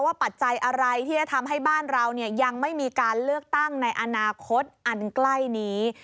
ปัจจัยอะไรที่จะทำให้บ้านเรายังไม่มีการเลือกตั้งในอนาคตอันใกล้นี้